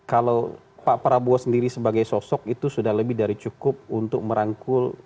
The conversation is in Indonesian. jadi kalau menurut saya ya kalau pak prabowo sendiri sebagai sosok itu sudah lebih dari cukup untuk merangkul